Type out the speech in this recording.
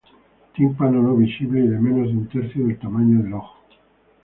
Tímpano no visible y de menos de un tercio del tamaño del ojo.